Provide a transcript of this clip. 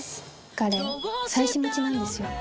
彼妻子持ちなんですよ